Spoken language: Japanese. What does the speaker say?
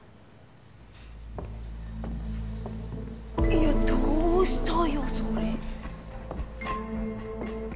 いやどうしたよそれ。